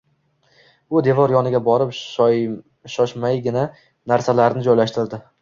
U devor yoniga borib, shoshmaygina narsalarini joylashtirdi